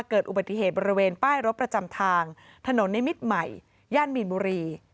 เกิดอุบัติเหตุบริเวณป้ายรถประจำทางถนนนิมิตรใหม่ย่านมีนบุรี